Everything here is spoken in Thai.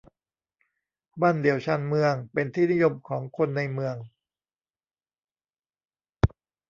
บ้านเดี่ยวชานเมือง เป็นที่นิยมของคนในเมือง